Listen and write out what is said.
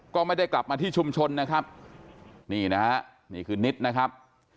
ก็ไม่ได้กลับมาที่ชุมชนนะครับนี่นะฮะนี่คือนิดนะครับ